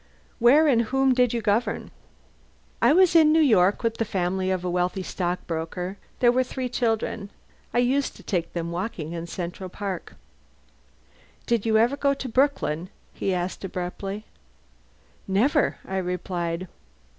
"Where and whom did you govern?" "I was in New York, with the family of a wealthy stockbroker. There were three children. I used to take them walking in Central Park." "Did you ever go to Brooklyn?" he asked abruptly. "Never," I replied.